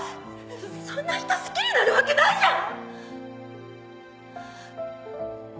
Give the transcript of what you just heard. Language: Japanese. ⁉そんな人好きになるわけないじゃん！